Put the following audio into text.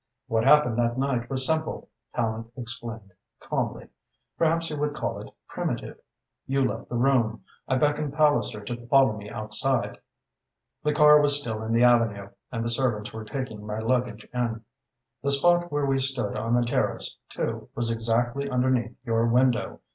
"What happened that night was simple," Tallente explained calmly; "perhaps you would call it primitive. You left the room. I beckoned Palliser to follow me outside. The car was still in the avenue and the servants were taking my luggage in. The spot where we stood on the terrace, too, was exactly underneath your window.